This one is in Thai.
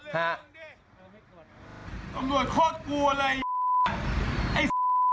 ตำรวจโคตรกูอะไรไอ้